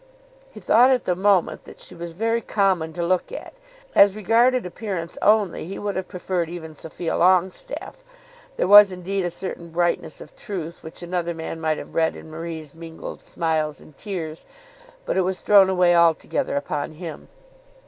He thought at the moment that she was very common to look at. As regarded appearance only he would have preferred even Sophia Longestaffe. There was indeed a certain brightness of truth which another man might have read in Marie's mingled smiles and tears, but it was thrown away altogether upon him.